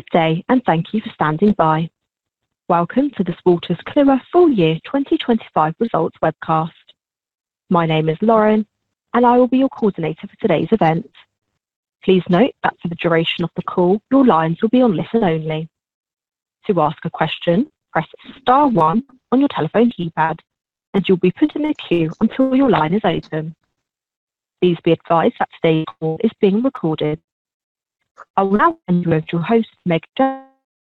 Good day and thank you for standing by. Welcome to this Wolters Kluwer full year 2025 results webcast. My name is Lauren, and I will be your coordinator for today's event. Please note that for the duration of the call, your lines will be on listen only. To ask a question, press star one on your telephone keypad, and you'll be put in a queue until your line is open. Please be advised that today's call is being recorded. I will now hand you over to your host, Meg Geldens,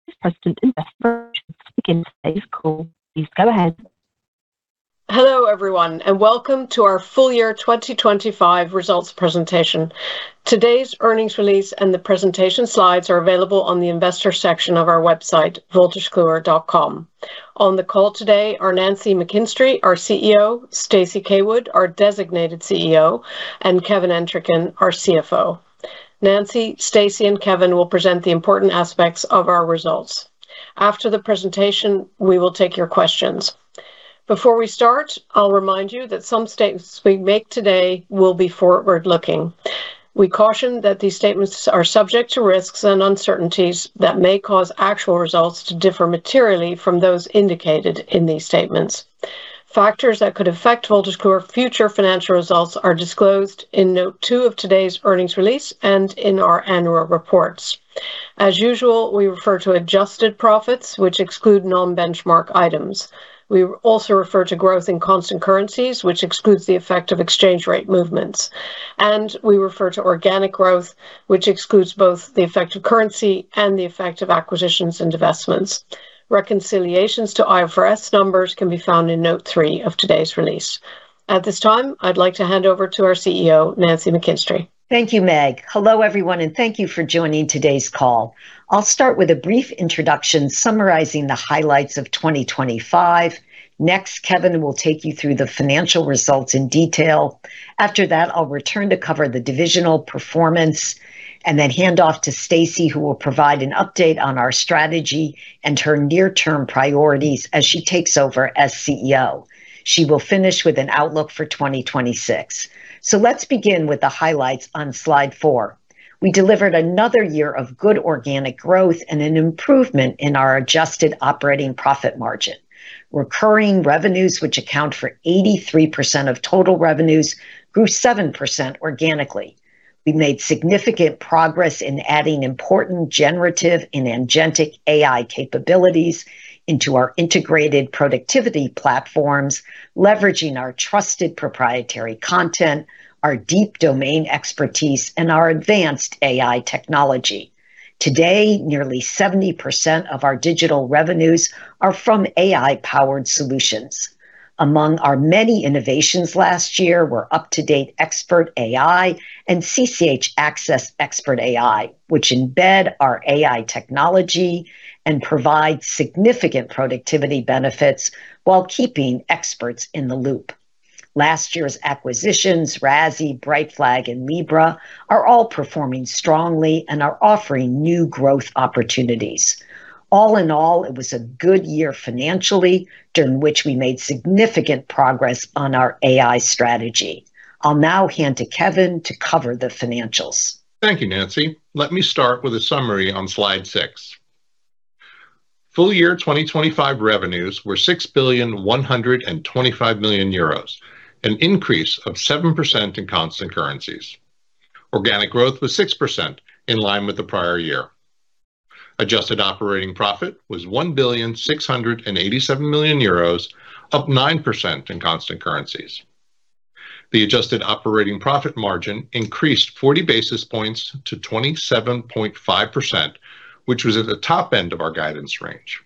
Vice President of Investor Relations, to begin today's call. Please go ahead. Hello, everyone, and welcome to our full year 2025 results presentation. Today's earnings release and the presentation slides are available on the investor section of our website, wolterskluwer.com. On the call today are Nancy McKinstry, our CEO, Stacey Caywood, our Designated CEO, and Kevin Entricken, our CFO. Nancy, Stacey, and Kevin will present the important aspects of our results. After the presentation, we will take your questions. Before we start, I'll remind you that some statements we make today will be forward-looking. We caution that these statements are subject to risks and uncertainties that may cause actual results to differ materially from those indicated in these statements. Factors that could affect Wolters Kluwer future financial results are disclosed in note 2 of today's earnings release and in our annual reports. As usual, we refer to adjusted profits, which exclude non-benchmark items. We also refer to growth in constant currencies, which excludes the effect of exchange rate movements, and we refer to organic growth, which excludes both the effect of currency and the effect of acquisitions and divestments. Reconciliations to IFRS numbers can be found in note 3 of today's release. At this time, I'd like to hand over to our CEO, Nancy McKinstry. Thank you, Meg. Hello, everyone, thank you for joining today's call. I'll start with a brief introduction summarizing the highlights of 2025. Next, Kevin will take you through the financial results in detail. After that, I'll return to cover the divisional performance, hand off to Stacey, who will provide an update on our strategy and her near-term priorities as she takes over as CEO. She will finish with an outlook for 2026. Let's begin with the highlights on slide four. We delivered another year of good organic growth and an improvement in our adjusted operating profit margin. Recurring revenues, which account for 83% of total revenues, grew 7% organically. We made significant progress in adding important generative and agentic AI capabilities into our integrated productivity platforms, leveraging our trusted proprietary content, our deep domain expertise, and our advanced AI technology. Today, nearly 70% of our digital revenues are from AI-powered solutions. Among our many innovations last year were UpToDate Expert AI and CCH Axcess Expert AI, which embed our AI technology and provide significant productivity benefits while keeping experts in the loop. Last year's acquisitions, RASi, Brightflag, and Libra, are all performing strongly and are offering new growth opportunities. All in all, it was a good year financially, during which we made significant progress on our AI strategy. I'll now hand to Kevin to cover the financials. Thank you, Nancy. Let me start with a summary on slide six. Full year 2025 revenues were 6.125 billion euros, an increase of 7% in constant currencies. Organic growth was 6%, in line with the prior year. Adjusted operating profit was 1.687 billion, up 9% in constant currencies. The adjusted operating profit margin increased 40 basis points to 27.5%, which was at the top end of our guidance range.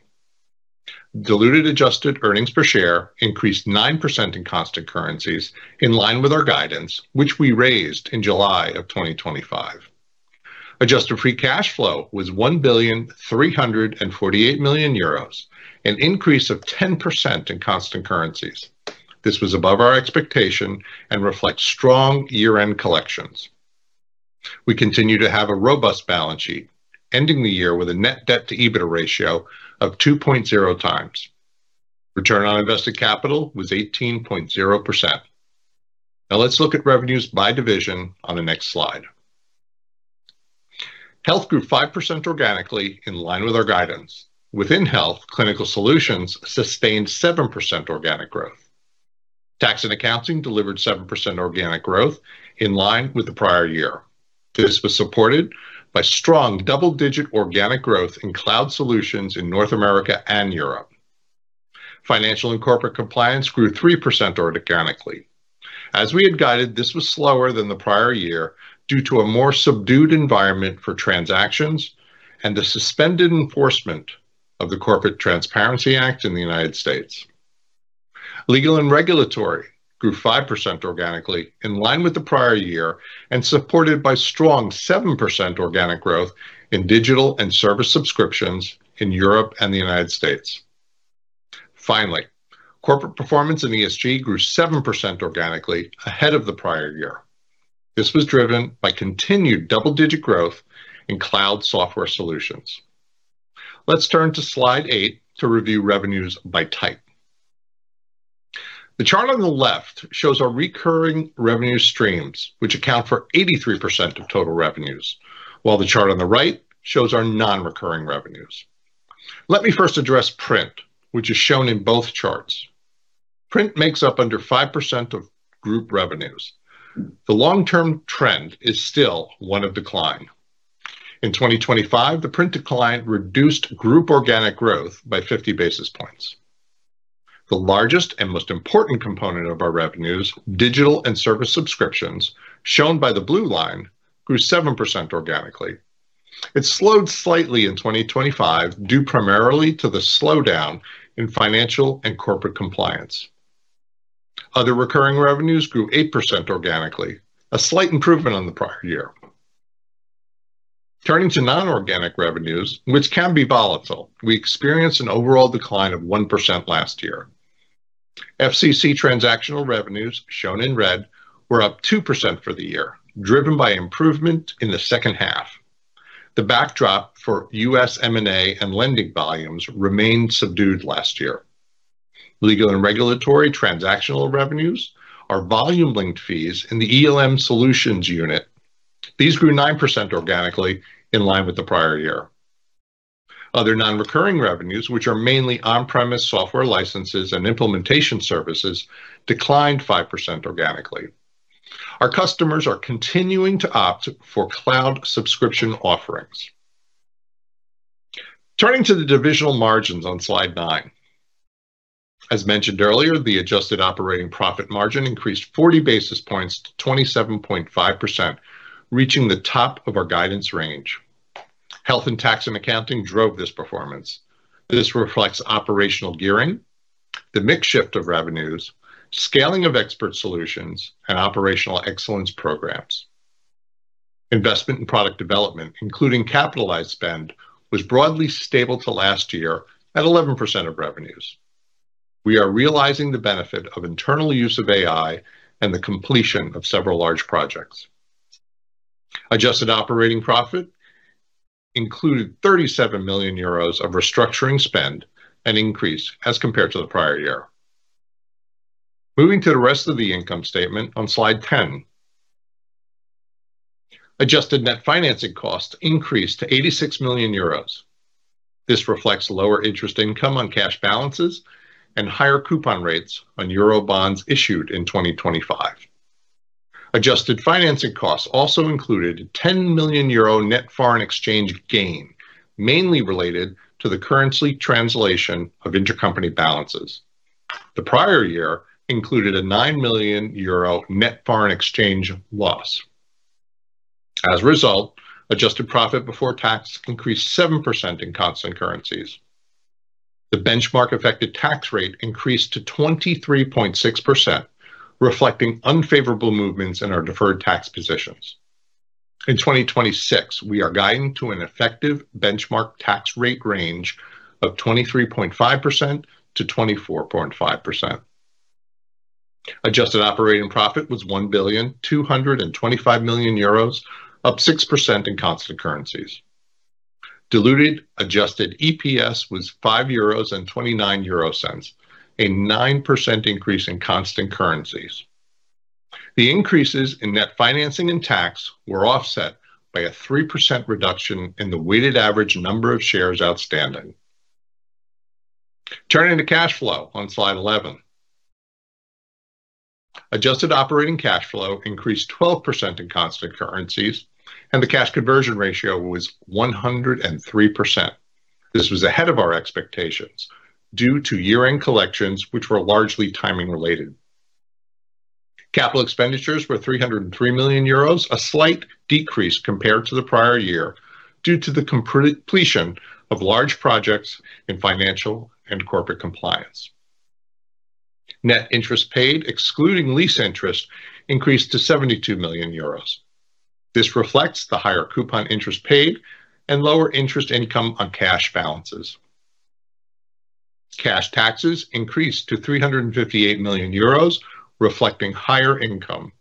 Diluted adjusted earnings per share increased 9% in constant currencies, in line with our guidance, which we raised in July of 2025. Adjusted free cash flow was 1.348 billion, an increase of 10% in constant currencies. This was above our expectation and reflects strong year-end collections. We continue to have a robust balance sheet, ending the year with a net debt to EBITDA ratio of 2.0x. Return on invested capital was 18.0%. Let's look at revenues by division on the next slide. Health grew 5% organically, in line with our guidance. Within Health, Clinical Solutions sustained 7% organic growth. Tax & Accounting delivered 7% organic growth in line with the prior year. This was supported by strong double-digit organic growth in cloud solutions in North America and Europe. Financial & Corporate Compliance grew 3% organically. As we had guided, this was slower than the prior year due to a more subdued environment for transactions and the suspended enforcement of the Corporate Transparency Act in the United States. Legal & Regulatory grew 5% organically in line with the prior year and supported by strong 7% organic growth in digital and service subscriptions in Europe and the United States. Corporate Performance & ESG grew 7% organically ahead of the prior year. This was driven by continued double-digit growth in cloud software solutions. Let's turn to slide eight to review revenues by type. The chart on the left shows our recurring revenue streams, which account for 83% of total revenues, while the chart on the right shows our non-recurring revenues. Let me first address print, which is shown in both charts. Print makes up under 5% of group revenues. The long-term trend is still one of decline. In 2025, the print decline reduced group organic growth by 50 basis points. The largest and most important component of our revenues, digital and service subscriptions, shown by the blue line, grew 7% organically. It slowed slightly in 2025, due primarily to the slowdown in Financial & Corporate Compliance. Other recurring revenues grew 8% organically, a slight improvement on the prior year. Turning to non-organic revenues, which can be volatile, we experienced an overall decline of 1% last year. FCC transactional revenues, shown in red, were up 2% for the year, driven by improvement in the second half. The backdrop for U.S. M&A and lending volumes remained subdued last year. Legal & Regulatory transactional revenues are volume-linked fees in the ELM Solutions unit. These grew 9% organically in line with the prior year. Other non-recurring revenues, which are mainly on-premise software licenses and implementation services, declined 5% organically. Our customers are continuing to opt for cloud subscription offerings. Turning to the divisional margins on slide nine. As mentioned earlier, the adjusted operating profit margin increased 40 basis points to 27.5%, reaching the top of our guidance range. Health and Tax & Accounting drove this performance. This reflects operational gearing, the mix shift of revenues, scaling of expert solutions, and operational excellence programs. Investment in product development, including capitalized spend, was broadly stable to last year at 11% of revenues. We are realizing the benefit of internal use of AI and the completion of several large projects. Adjusted operating profit included 37 million euros of restructuring spend, an increase as compared to the prior year. Moving to the rest of the income statement on slide 10. Adjusted net financing costs increased to 86 million euros. This reflects lower interest income on cash balances and higher coupon rates on euro bonds issued in 2025. Adjusted financing costs also included 10 million euro net foreign exchange gain, mainly related to the currency translation of intercompany balances. The prior year included a 9 million euro net foreign exchange loss. As a result, adjusted profit before tax increased 7% in constant currencies. The benchmark-affected tax rate increased to 23.6%, reflecting unfavorable movements in our deferred tax positions. In 2026, we are guiding to an effective benchmark tax rate range of 23.5%-24.5%. Adjusted operating profit was 1,225 million euros, up 6% in constant currencies. Diluted adjusted EPS was 5.29 euros, a 9% increase in constant currencies. The increases in net financing and tax were offset by a 3% reduction in the weighted average number of shares outstanding. Turning to cash flow on slide 11. Adjusted operating cash flow increased 12% in constant currencies, and the cash conversion ratio was 103%. This was ahead of our expectations due to year-end collections, which were largely timing related. Capital expenditures were 303 million euros, a slight decrease compared to the prior year, due to the completion of large projects in Financial & Corporate Compliance. Net interest paid, excluding lease interest, increased to EUR 72 million. This reflects the higher coupon interest paid and lower interest income on cash balances. Cash taxes increased to 358 million euros, reflecting higher income.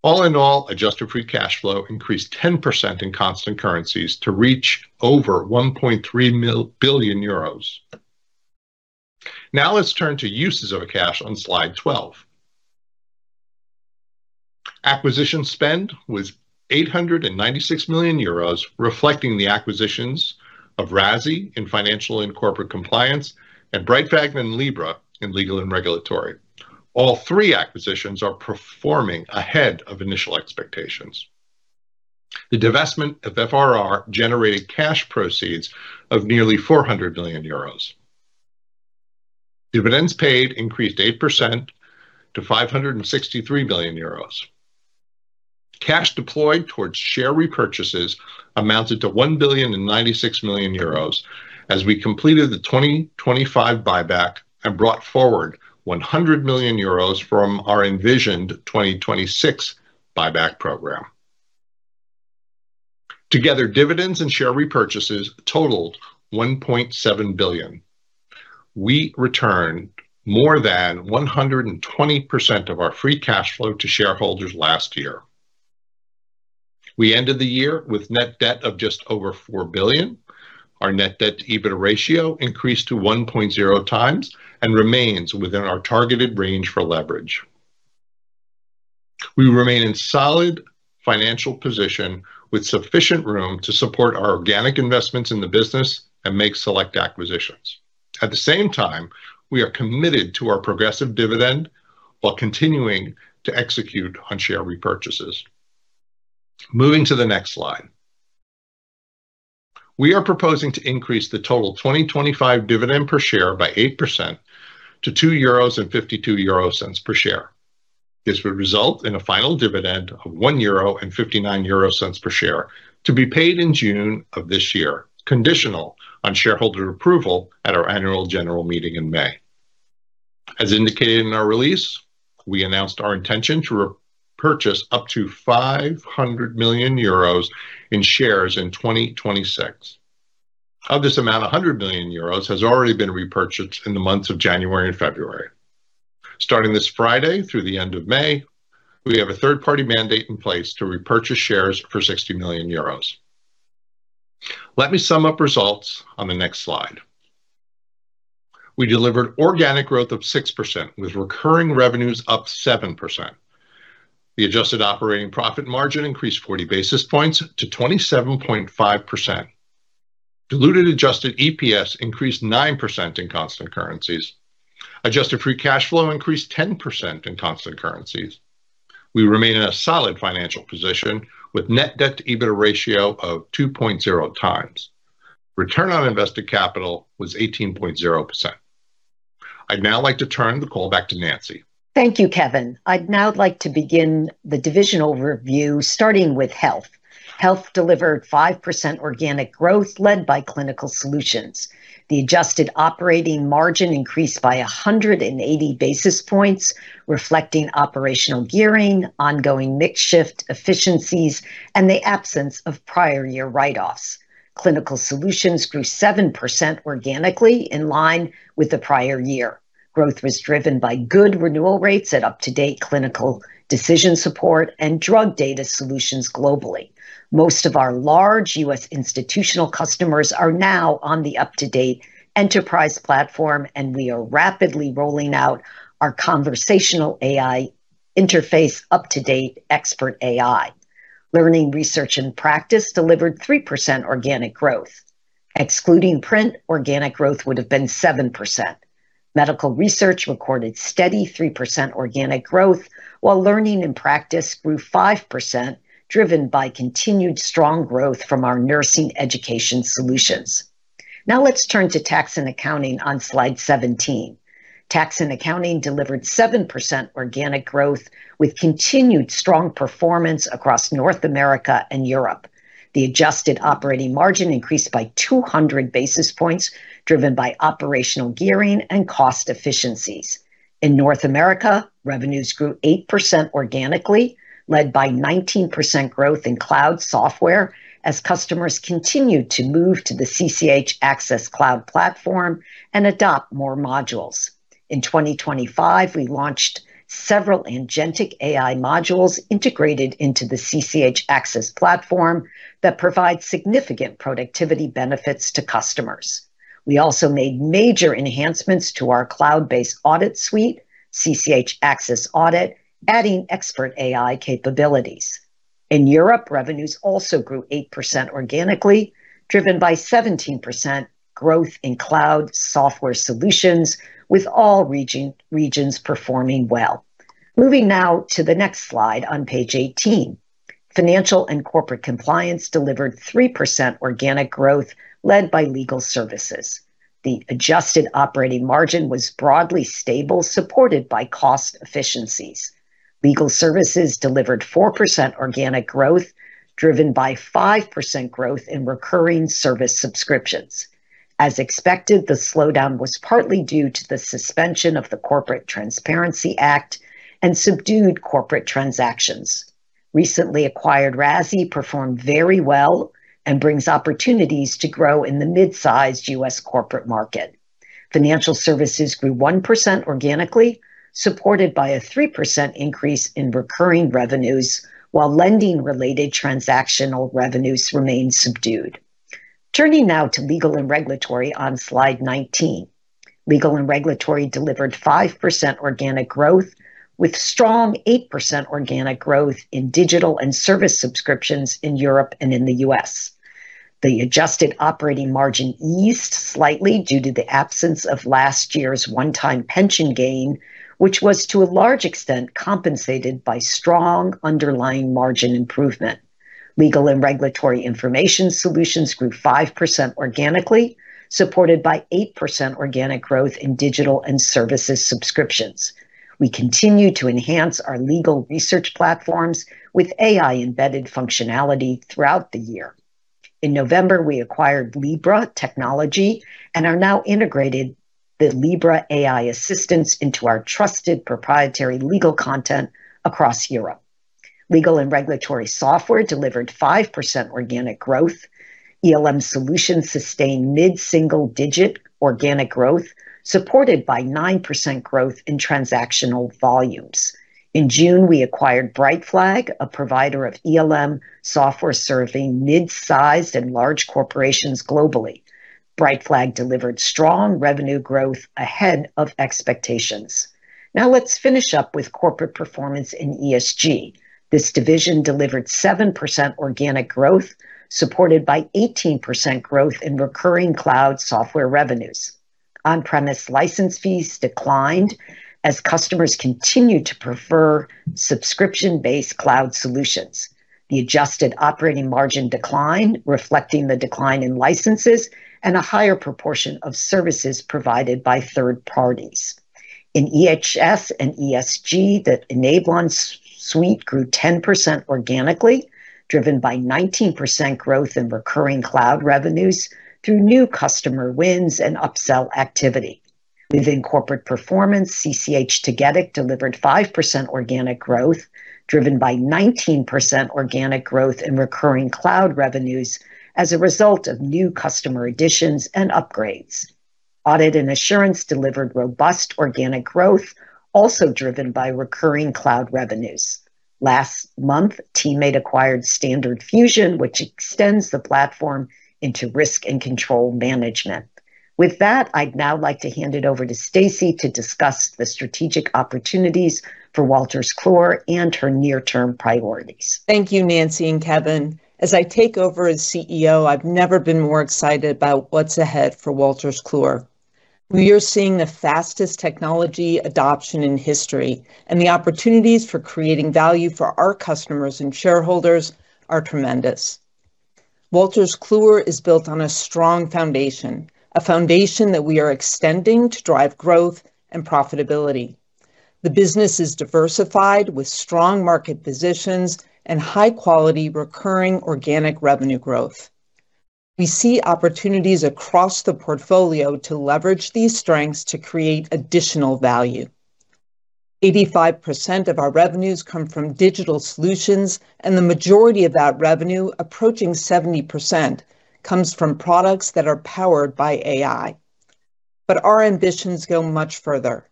All in all, adjusted free cash flow increased 10% in constant currencies to reach over 1.3 billion euros. Now, let's turn to uses of cash on slide 12. Acquisition spend was 896 million euros, reflecting the acquisitions of RASi in Financial & Corporate Compliance, and Brightflag and Libra in Legal & Regulatory. All three acquisitions are performing ahead of initial expectations. The divestment of FRR generated cash proceeds of nearly 400 million euros. Dividends paid increased 8% to 563 million euros. Cash deployed towards share repurchases amounted to 1.096 billion, as we completed the 2025 buyback and brought forward 100 million euros from our envisioned 2026 buyback program. Together, dividends and share repurchases totaled 1.7 billion. We returned more than 120% of our free cash flow to shareholders last year. We ended the year with net debt of just over 4 billion. Our net debt to EBITDA ratio increased to 1.0x, and remains within our targeted range for leverage. We remain in solid financial position, with sufficient room to support our organic investments in the business and make select acquisitions. At the same time, we are committed to our progressive dividend while continuing to execute on share repurchases. Moving to the next slide. We are proposing to increase the total 2025 dividend per share by 8% to 2.52 euros per share. This would result in a final dividend of 1.59 euro per share, to be paid in June of this year, conditional on shareholder approval at our annual general meeting in May. As indicated in our release, we announced our intention to repurchase up to 500 million euros in shares in 2026. Of this amount, 100 million euros has already been repurchased in the months of January and February. Starting this Friday through the end of May, we have a third-party mandate in place to repurchase shares for 60 million euros. Let me sum up results on the next slide. We delivered organic growth of 6%, with recurring revenues up 7%. The adjusted operating profit margin increased 40 basis points to 27.5%. Diluted adjusted EPS increased 9% in constant currencies. Adjusted free cash flow increased 10% in constant currencies. We remain in a solid financial position, with net debt to EBITDA ratio of 2.0x. Return on invested capital was 18.0%. I'd now like to turn the call back to Nancy. Thank you, Kevin. I'd now like to begin the divisional review, starting with Health. Health delivered 5% organic growth, led by Clinical Solutions. The adjusted operating margin increased by 180 basis points, reflecting operational gearing, ongoing mix shift, efficiencies, and the absence of prior year write-offs. Clinical Solutions grew 7% organically in line with the prior year. Growth was driven by good renewal rates at UpToDate clinical decision support and drug data solutions globally. Most of our large U.S. institutional customers are now on the UpToDate Enterprise platform, and we are rapidly rolling out our conversational AI interface UpToDate Expert AI. Learning, Research, and Practice delivered 3% organic growth. Excluding print, organic growth would have been 7%. Medical research recorded steady 3% organic growth, while Learning and Practice grew 5%, driven by continued strong growth from our nursing education solutions. Let's turn to Tax & Accounting on slide 17. Tax & Accounting delivered 7% organic growth, with continued strong performance across North America and Europe. The adjusted operating margin increased by 200 basis points, driven by operational gearing and cost efficiencies. In North America, revenues grew 8% organically, led by 19% growth in cloud software as customers continued to move to the CCH Axcess platform and adopt more modules. In 2025, we launched several agentic AI modules integrated into the CCH Axcess platform that provide significant productivity benefits to customers. We also made major enhancements to our cloud-based audit suite, CCH Axcess Audit, adding Expert AI capabilities. In Europe, revenues also grew 8% organically, driven by 17% growth in cloud software solutions, with all regions performing well. Moving to the next slide on page 18. Financial & Corporate Compliance delivered 3% organic growth, led by legal services. The adjusted operating margin was broadly stable, supported by cost efficiencies. Legal services delivered 4% organic growth, driven by 5% growth in recurring service subscriptions. As expected, the slowdown was partly due to the suspension of the Corporate Transparency Act and subdued corporate transactions. Recently acquired RASi performed very well and brings opportunities to grow in the mid-sized U.S. corporate market. Financial services grew 1% organically, supported by a 3% increase in recurring revenues, while lending-related transactional revenues remained subdued. Turning now to Legal & Regulatory on slide 19. Legal & Regulatory delivered 5% organic growth, with strong 8% organic growth in digital and service subscriptions in Europe and in the U.S. The adjusted operating margin eased slightly due to the absence of last year's one-time pension gain, which was, to a large extent, compensated by strong underlying margin improvement. Legal & Regulatory information solutions grew 5% organically, supported by 8% organic growth in digital and services subscriptions. We continue to enhance our legal research platforms with AI-embedded functionality throughout the year. In November, we acquired Libra Technology and are now integrated the Libra AI Assistant into our trusted proprietary legal content across Europe. Legal & Regulatory software delivered 5% organic growth. ELM Solutions sustained mid-single-digit organic growth, supported by 9% growth in transactional volumes. In June, we acquired Brightflag, a provider of ELM software serving mid-sized and large corporations globally. Brightflag delivered strong revenue growth ahead of expectations. Now let's finish up with Corporate Performance & ESG. This division delivered 7% organic growth, supported by 18% growth in recurring cloud software revenues. On-premise license fees declined as customers continued to prefer subscription-based cloud solutions. The adjusted operating margin declined, reflecting the decline in licenses and a higher proportion of services provided by third parties. In EHS and ESG, the Enablon suite grew 10% organically, driven by 19% growth in recurring cloud revenues through new customer wins and upsell activity. Within Corporate Performance, CCH Tagetik delivered 5% organic growth, driven by 19% organic growth in recurring cloud revenues as a result of new customer additions and upgrades. Audit and assurance delivered robust organic growth, also driven by recurring cloud revenues. Last month, TeamMate acquired StandardFusion, which extends the platform into risk and control management. With that, I'd now like to hand it over to Stacey to discuss the strategic opportunities for Wolters Kluwer and her near-term priorities. Thank you, Nancy and Kevin. As I take over as CEO, I've never been more excited about what's ahead for Wolters Kluwer. We are seeing the fastest technology adoption in history, and the opportunities for creating value for our customers and shareholders are tremendous. Wolters Kluwer is built on a strong foundation, a foundation that we are extending to drive growth and profitability. The business is diversified, with strong market positions and high-quality, recurring organic revenue growth. We see opportunities across the portfolio to leverage these strengths to create additional value. 85% of our revenues come from digital solutions, and the majority of that revenue, approaching 70%, comes from products that are powered by AI. Our ambitions go much further.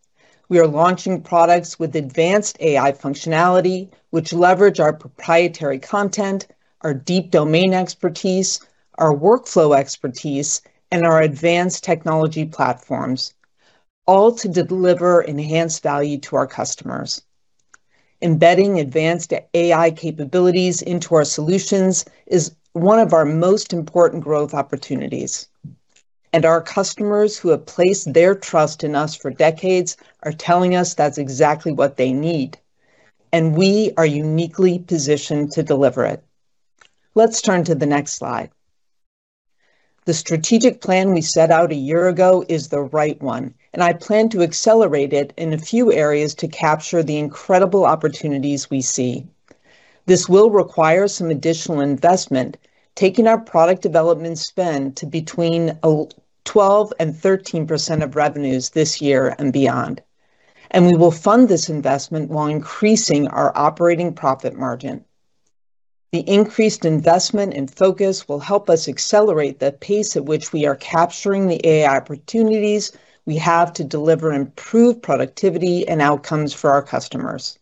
We are launching products with advanced AI functionality, which leverage our proprietary content, our deep domain expertise, our workflow expertise, and our advanced technology platforms, all to deliver enhanced value to our customers. Embedding advanced AI capabilities into our solutions is one of our most important growth opportunities. Our customers who have placed their trust in us for decades are telling us that's exactly what they need, and we are uniquely positioned to deliver it. Let's turn to the next slide. The strategic plan we set out a year ago is the right one. I plan to accelerate it in a few areas to capture the incredible opportunities we see. This will require some additional investment, taking our product development spend to between 12% and 13% of revenues this year and beyond. We will fund this investment while increasing our operating profit margin. The increased investment and focus will help us accelerate the pace at which we are capturing the AI opportunities we have to deliver improved productivity and outcomes for our customers.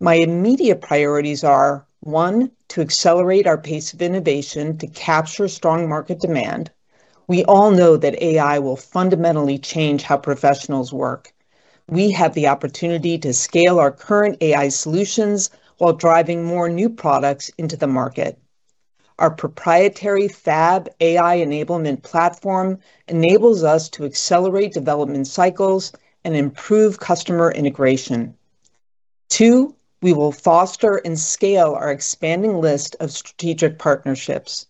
My immediate priorities are, one, to accelerate our pace of innovation to capture strong market demand. We all know that AI will fundamentally change how professionals work. We have the opportunity to scale our current AI solutions while driving more new products into the market. Our proprietary FAB AI enablement platform enables us to accelerate development cycles and improve customer integration. Two, we will foster and scale our expanding list of strategic partnerships.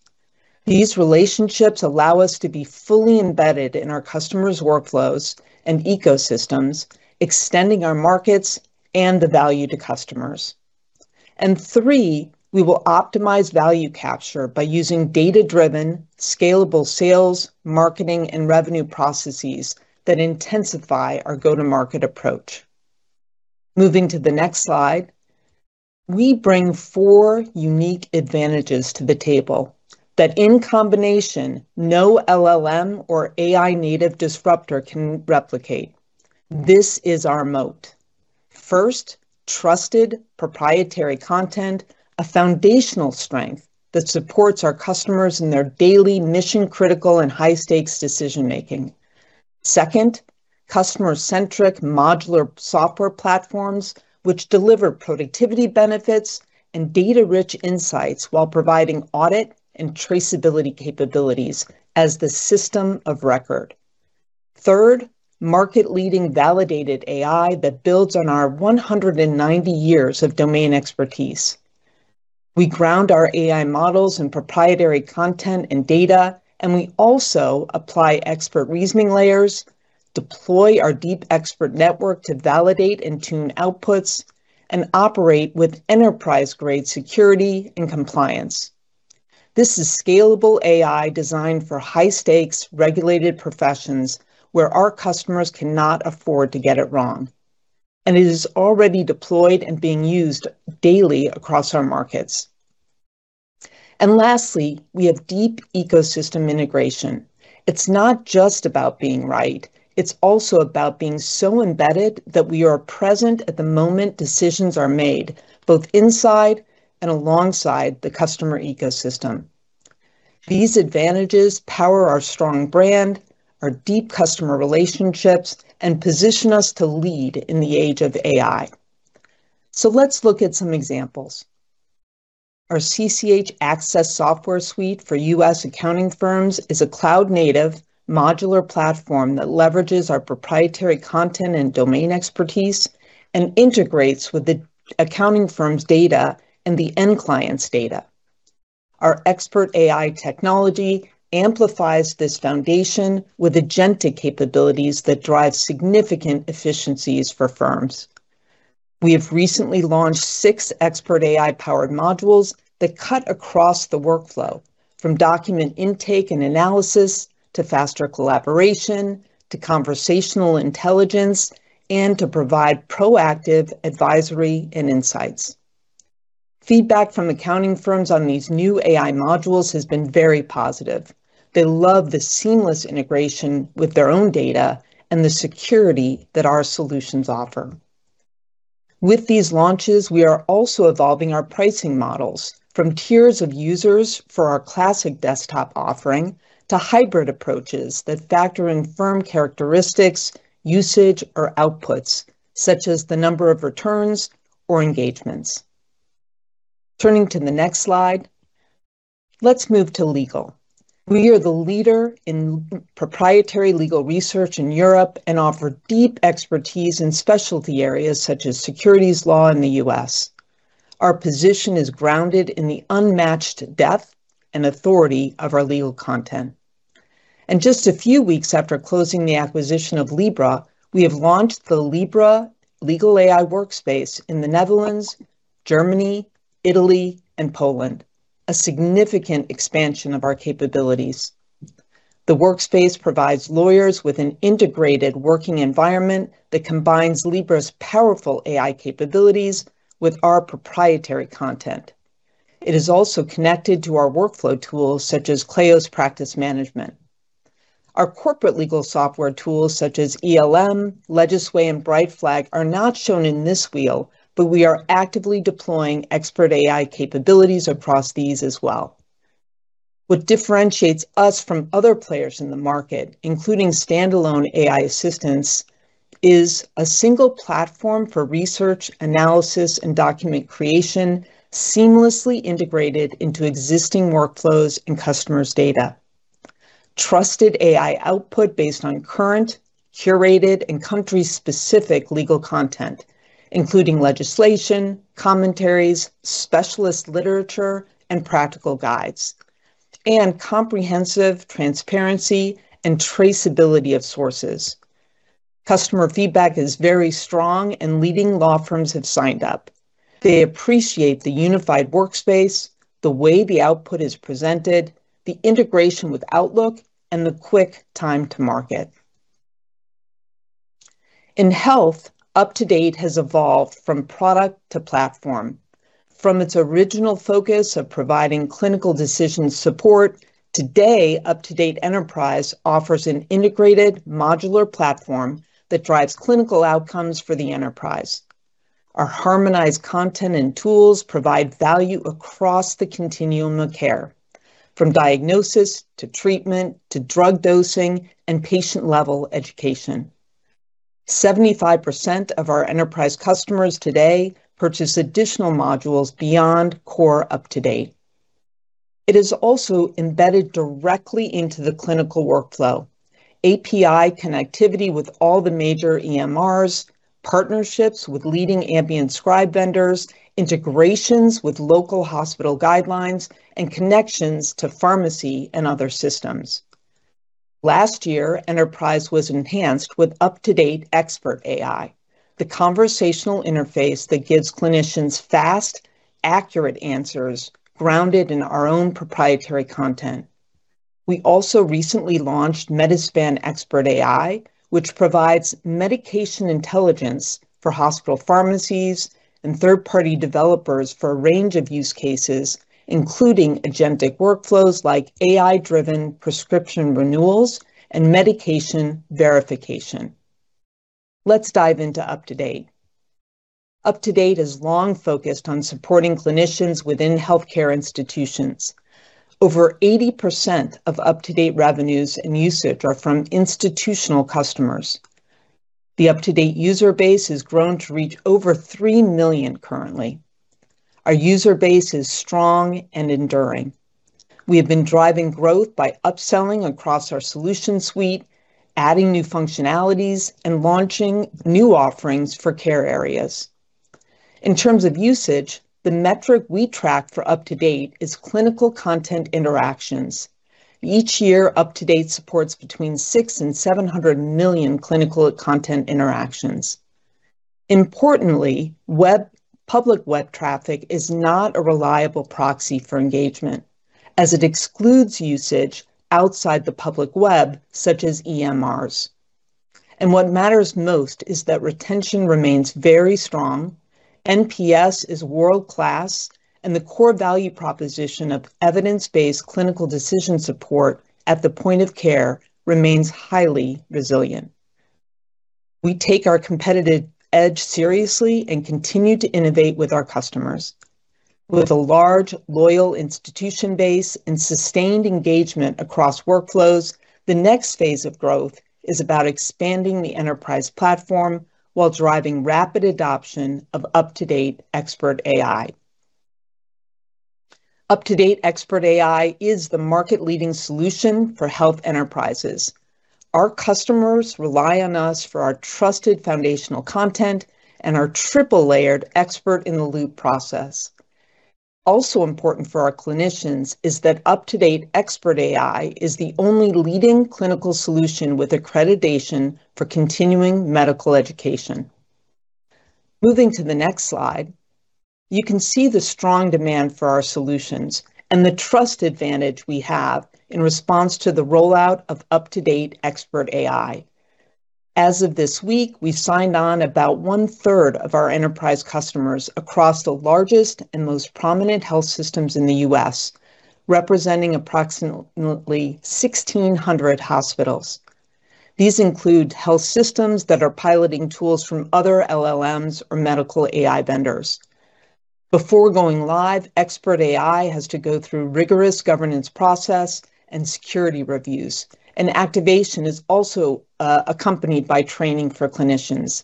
These relationships allow us to be fully embedded in our customers' workflows and ecosystems, extending our markets and the value to customers. And three, we will optimize value capture by using data-driven, scalable sales, marketing, and revenue processes that intensify our go-to-market approach. Moving to the next slide, we bring four unique advantages to the table that, in combination, no LLM or AI-native disruptor can replicate. This is our moat. First, trusted proprietary content, a foundational strength that supports our customers in their daily mission-critical and high-stakes decision making. Second, customer-centric modular software platforms, which deliver productivity benefits and data-rich insights while providing audit and traceability capabilities as the system of record. Third, market-leading validated AI that builds on our 190 years of domain expertise. We ground our AI models in proprietary content and data, we also apply expert reasoning layers, deploy our deep expert network to validate and tune outputs, and operate with enterprise-grade security and compliance. This is scalable AI designed for high-stakes, regulated professions where our customers cannot afford to get it wrong, and it is already deployed and being used daily across our markets. Lastly, we have deep ecosystem integration. It's not just about being right, it's also about being so embedded that we are present at the moment decisions are made, both inside and alongside the customer ecosystem. These advantages power our strong brand, our deep customer relationships, and position us to lead in the age of AI. Let's look at some examples. Our CCH Axcess Software suite for U.S. accounting firms is a cloud-native modular platform that leverages our proprietary content and domain expertise and integrates with the accounting firm's data and the end client's data. Our Expert AI technology amplifies this foundation with agentic capabilities that drive significant efficiencies for firms. We have recently launched six Expert AI-powered modules that cut across the workflow, from document intake and analysis, to faster collaboration, to conversational intelligence, and to provide proactive advisory and insights. Feedback from accounting firms on these new AI modules has been very positive. They love the seamless integration with their own data and the security that our solutions offer. With these launches, we are also evolving our pricing models from tiers of users for our classic desktop offering to hybrid approaches that factor in firm characteristics, usage, or outputs, such as the number of returns or engagements. Turning to the next slide, let's move to legal. We are the leader in proprietary legal research in Europe and offer deep expertise in specialty areas such as securities law in the U.S. Our position is grounded in the unmatched depth and authority of our legal content. Just a few weeks after closing the acquisition of Libra, we have launched the Libra Legal AI Workspace in the Netherlands, Germany, Italy, and Poland, a significant expansion of our capabilities. The workspace provides lawyers with an integrated working environment that combines Libra's powerful AI capabilities with our proprietary content. It is also connected to our workflow tools, such as Kleos practice management. Our corporate legal software tools, such as ELM, Legisway, and Brightflag, are not shown in this wheel, but we are actively deploying expert AI capabilities across these as well. What differentiates us from other players in the market, including standalone AI assistants, is a single platform for research, analysis, and document creation, seamlessly integrated into existing workflows and customers' data. Trusted AI output based on current, curated, and country-specific legal content, including legislation, commentaries, specialist literature, and practical guides, and comprehensive transparency and traceability of sources. Customer feedback is very strong, and leading law firms have signed up. They appreciate the unified workspace, the way the output is presented, the integration with Outlook, and the quick time to market. In Health, UpToDate has evolved from product to platform. From its original focus of providing clinical decision support, today, UpToDate Enterprise offers an integrated modular platform that drives clinical outcomes for the enterprise. Our harmonized content and tools provide value across the continuum of care, from diagnosis, to treatment, to drug dosing, and patient-level education. 75% of our enterprise customers today purchase additional modules beyond core UpToDate. It is also embedded directly into the clinical workflow. API connectivity with all the major EMRs, partnerships with leading ambient scribe vendors, integrations with local hospital guidelines, and connections to pharmacy and other systems. Last year, Enterprise was enhanced with UpToDate Expert AI, the conversational interface that gives clinicians fast, accurate answers grounded in our own proprietary content. We also recently launched Medi-Span Expert AI, which provides medication intelligence for hospital pharmacies and third-party developers for a range of use cases, including agentic workflows like AI-driven prescription renewals and medication verification. Let's dive into UpToDate. UpToDate is long focused on supporting clinicians within healthcare institutions. Over 80% of UpToDate revenues and usage are from institutional customers. The UpToDate user base has grown to reach over 3 million currently. Our user base is strong and enduring. We have been driving growth by upselling across our solution suite, adding new functionalities, and launching new offerings for care areas. In terms of usage, the metric we track for UpToDate is clinical content interactions. Each year, UpToDate supports between 600 million and 700 million clinical content interactions. Importantly, web, public web traffic is not a reliable proxy for engagement, as it excludes usage outside the public web, such as EMRs. What matters most is that retention remains very strong, NPS is world-class, and the core value proposition of evidence-based clinical decision support at the point of care remains highly resilient. We take our competitive edge seriously and continue to innovate with our customers. With a large, loyal institution base and sustained engagement across workflows, the next phase of growth is about expanding the enterprise platform while driving rapid adoption of UpToDate Expert AI. UpToDate Expert AI is the market-leading solution for health enterprises. Our customers rely on us for our trusted foundational content and our triple-layered expert-in-the-loop process. Also important for our clinicians is that UpToDate Expert AI is the only leading clinical solution with accreditation for continuing medical education. Moving to the next slide, you can see the strong demand for our solutions and the trust advantage we have in response to the rollout of UpToDate Expert AI. As of this week, we signed on about 1/3 of our enterprise customers across the largest and most prominent health systems in the U.S., representing approximately 1,600 hospitals. These include health systems that are piloting tools from other LLMs or medical AI vendors. Before going live, Expert AI has to go through rigorous governance process and security reviews, and activation is also accompanied by training for clinicians.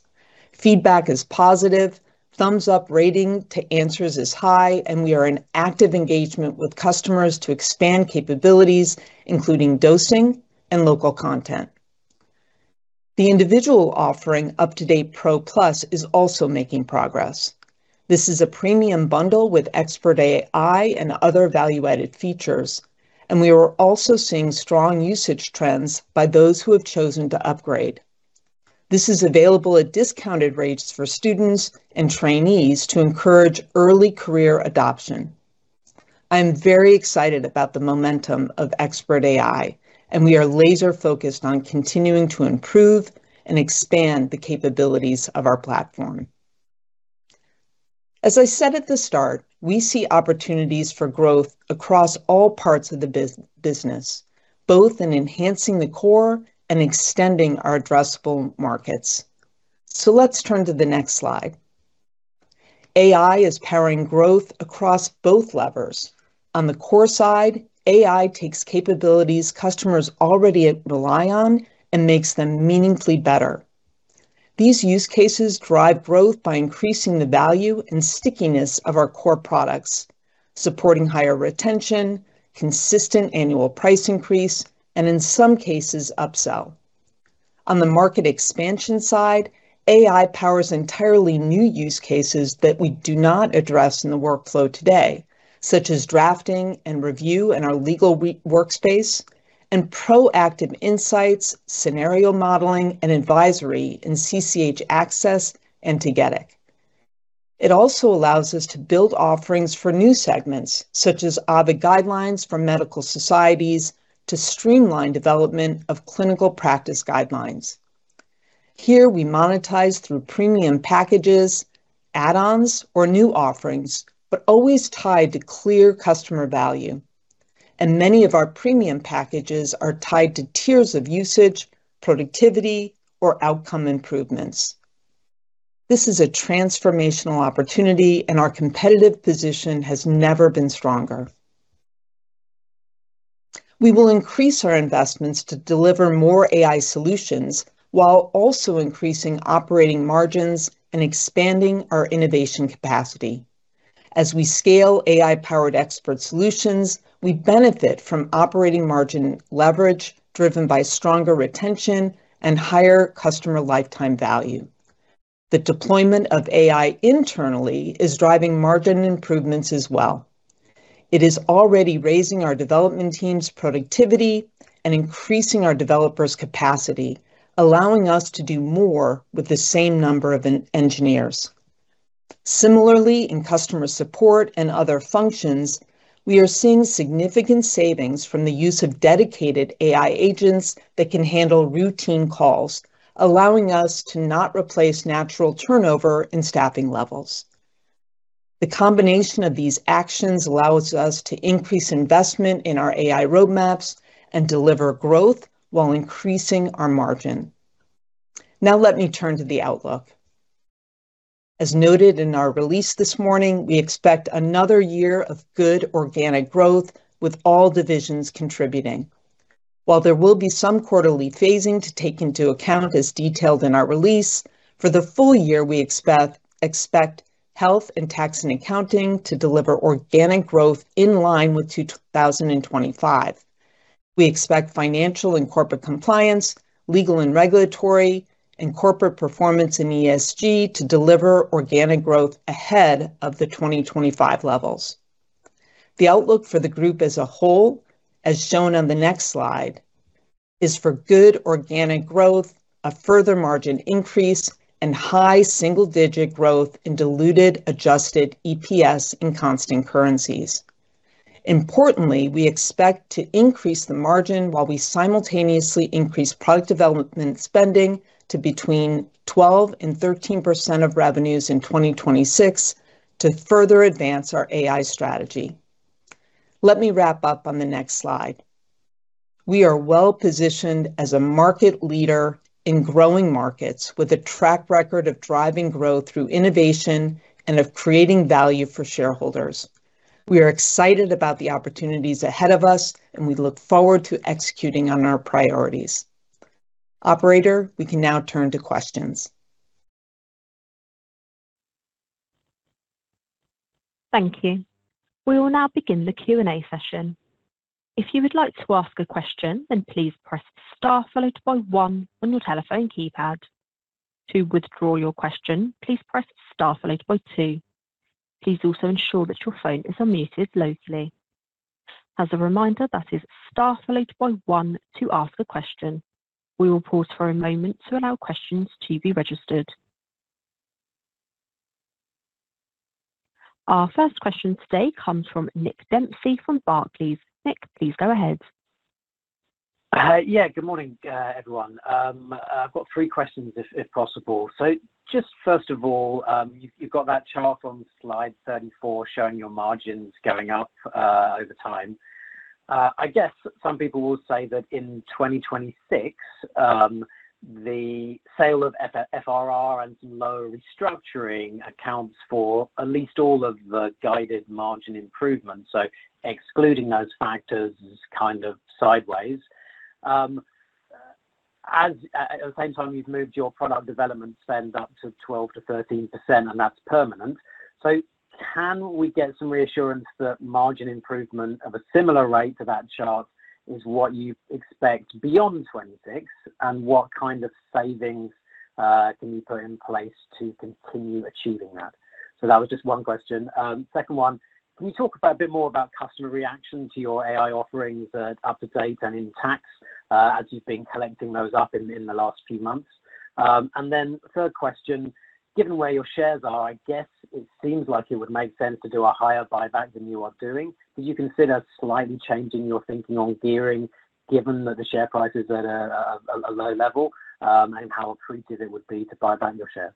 Feedback is positive, thumbs up rating to answers is high, we are in active engagement with customers to expand capabilities, including dosing and local content. The individual offering, UpToDate Pro Plus, is also making progress. This is a premium bundle with Expert AI and other value-added features, we are also seeing strong usage trends by those who have chosen to upgrade. This is available at discounted rates for students and trainees to encourage early career adoption. I'm very excited about the momentum of Expert AI, and we are laser-focused on continuing to improve and expand the capabilities of our platform. As I said at the start, we see opportunities for growth across all parts of the business, both in enhancing the core and extending our addressable markets. Let's turn to the next slide. AI is powering growth across both levers. On the core side, AI takes capabilities customers already rely on and makes them meaningfully better. These use cases drive growth by increasing the value and stickiness of our core products, supporting higher retention, consistent annual price increase, and in some cases, upsell. On the market expansion side, AI powers entirely new use cases that we do not address in the workflow today, such as drafting and review in our legal workspace and proactive insights, scenario modeling, and advisory in CCH Axcess and CCH Tagetik. It also allows us to build offerings for new segments, such as Ovid Guidelines for medical societies, to streamline development of clinical practice guidelines. Here, we monetize through premium packages, add-ons, or new offerings, but always tied to clear customer value, and many of our premium packages are tied to tiers of usage, productivity, or outcome improvements. This is a transformational opportunity, and our competitive position has never been stronger. We will increase our investments to deliver more AI solutions while also increasing operating margins and expanding our innovation capacity. As we scale AI-powered expert solutions, we benefit from operating margin leverage, driven by stronger retention and higher customer lifetime value. The deployment of AI internally is driving margin improvements as well. It is already raising our development team's productivity and increasing our developers' capacity, allowing us to do more with the same number of engineers. Similarly, in customer support and other functions, we are seeing significant savings from the use of dedicated AI agents that can handle routine calls, allowing us to not replace natural turnover in staffing levels. The combination of these actions allows us to increase investment in our AI roadmaps and deliver growth while increasing our margin. Now, let me turn to the outlook. As noted in our release this morning, we expect another year of good organic growth, with all divisions contributing. While there will be some quarterly phasing to take into account, as detailed in our release, for the full year, we expect Health and Tax & Accounting to deliver organic growth in line with 2025. We expect Financial & Corporate Compliance, Legal & Regulatory, and Corporate Performance & ESG to deliver organic growth ahead of the 2025 levels. The outlook for the group as a whole, as shown on the next slide, is for good organic growth, a further margin increase, and high single-digit growth in diluted adjusted EPS in constant currencies. Importantly, we expect to increase the margin while we simultaneously increase product development spending to between 12% and 13% of revenues in 2026 to further advance our AI strategy. Let me wrap up on the next slide. We are well-positioned as a market leader in growing markets, with a track record of driving growth through innovation and of creating value for shareholders. We are excited about the opportunities ahead of us, and we look forward to executing on our priorities. Operator, we can now turn to questions. Thank you. We will now begin the Q&A session. If you would like to ask a question, please press star followed by one on your telephone keypad. To withdraw your question, please press star followed by two. Please also ensure that your phone is unmuted locally. As a reminder, that is star followed by one to ask a question. We will pause for a moment to allow questions to be registered. Our first question today comes from Nick Dempsey from Barclays. Nick, please go ahead. Yeah, good morning, everyone. I've got three questions if possible. Just first of all, you've got that chart on slide 34 showing your margins going up over time. I guess some people will say that in 2026, the sale of FRR and some low restructuring accounts for at least all of the guided margin improvements. Excluding those factors is kind of sideways. As at the same time, you've moved your product development spend up to 12%-13%, and that's permanent. Can we get some reassurance that margin improvement of a similar rate to that chart is what you expect beyond 2026? What kind of savings can you put in place to continue achieving that? That was just one question. Second one, can you talk about a bit more about customer reaction to your AI offerings at UpToDate and in Tax, as you've been collecting those up in the last few months? Third question, given where your shares are, I guess it seems like it would make sense to do a higher buyback than you are doing. Do you consider slightly changing your thinking on gearing, given that the share price is at a low level, how attractive it would be to buy back your shares?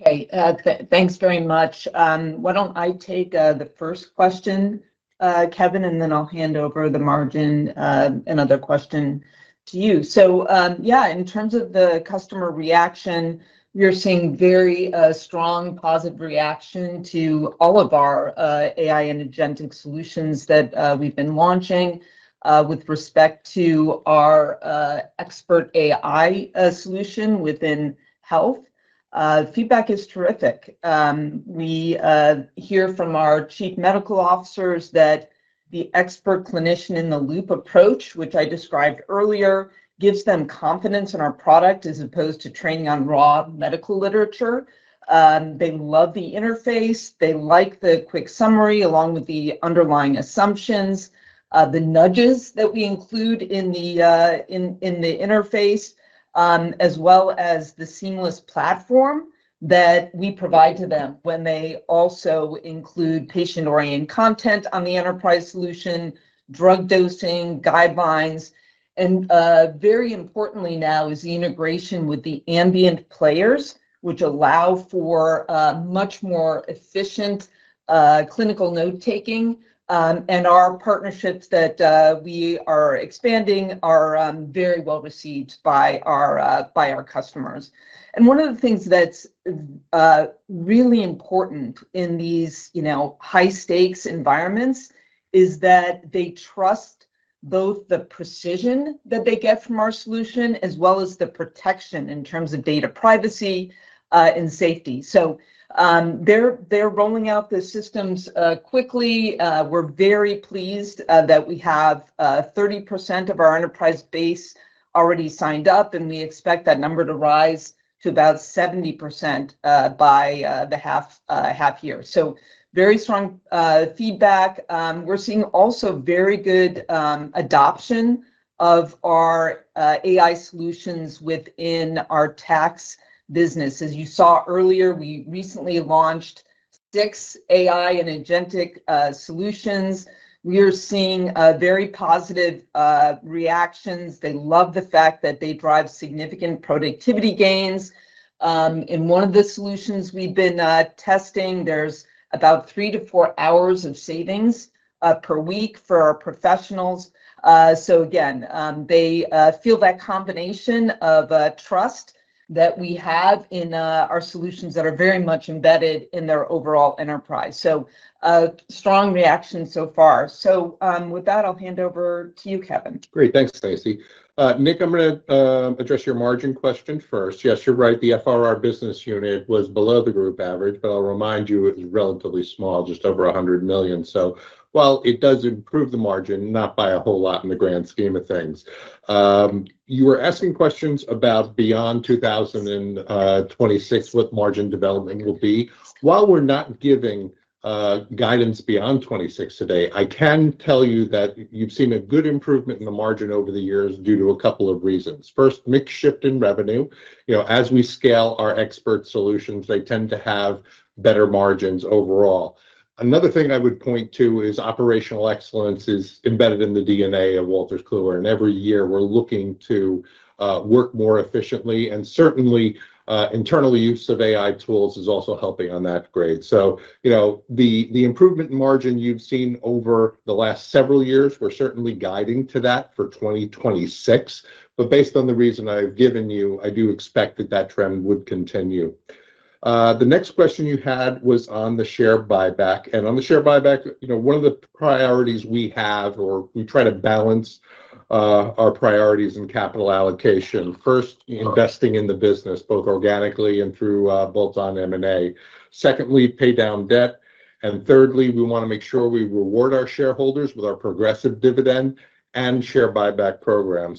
Okay, thanks very much. Why don't I take the first question, Kevin, and then I'll hand over the margin, another question to you. In terms of the customer reaction, we are seeing very strong positive reaction to all of our AI and agentic solutions that we've been launching. With respect to our Expert AI solution within Health, feedback is terrific. We hear from our chief medical officers that the expert clinician in the loop approach, which I described earlier, gives them confidence in our product as opposed to training on raw medical literature. They love the interface. They like the quick summary, along with the underlying assumptions, the nudges that we include in the interface, as well as the seamless platform that we provide to them when they also include patient-oriented content on the enterprise solution, drug dosing, guidelines. Very importantly now is the integration with the ambient players, which allow for much more efficient clinical notetaking. Our partnerships that we are expanding are very well received by our customers. One of the things that's really important in these, you know, high-stakes environments is that they trust both the precision that they get from our solution, as well as the protection in terms of data privacy and safety. They're rolling out the systems quickly. We're very pleased that we have 30% of our enterprise base already signed up, and we expect that number to rise to about 70% by the half year. Very strong feedback. We're seeing also very good adoption of our AI solutions within our tax business. As you saw earlier, we recently launched DXG, AI, and agentic solutions, we are seeing very positive reactions. They love the fact that they drive significant productivity gains. In one of the solutions we've been testing, there's about three to four hours of savings per week for our professionals. Again, they feel that combination of trust that we have in our solutions that are very much embedded in their overall enterprise. A strong reaction so far. With that, I'll hand over to you, Kevin. Great. Thanks, Stacey. Nick, I'm gonna address your margin question first. Yes, you're right, the FRR business unit was below the group average, but I'll remind you, it is relatively small, just over 100 million. While it does improve the margin, not by a whole lot in the grand scheme of things. You were asking questions about beyond 2026, what margin development will be. While we're not giving guidance beyond 26 today, I can tell you that you've seen a good improvement in the margin over the years due to a couple of reasons. First, mix shift in revenue. You know, as we scale our expert solutions, they tend to have better margins overall. Another thing I would point to is operational excellence is embedded in the DNA of Wolters Kluwer. Every year we're looking to work more efficiently, certainly, internally, use of AI tools is also helping on that grade. You know, the improvement in margin you've seen over the last several years, we're certainly guiding to that for 2026. Based on the reason I've given you, I do expect that that trend would continue. The next question you had was on the share buyback. On the share buyback, you know, one of the priorities we have, or we try to balance our priorities in capital allocation, first, investing in the business, both organically and through both on M&A. Secondly, pay down debt. Thirdly, we wanna make sure we reward our shareholders with our progressive dividend and share buyback program.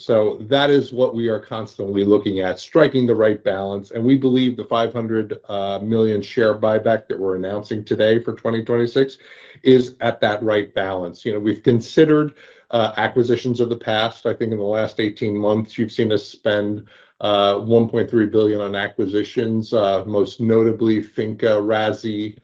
That is what we are constantly looking at, striking the right balance, and we believe the 500 million share buyback that we're announcing today for 2026 is at that right balance. You know, we've considered acquisitions of the past. I think in the last 18 months, you've seen us spend 1.3 billion on acquisitions, most notably Finca, RASi,